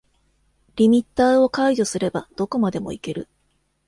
リミッターを解除すればどこまでもいける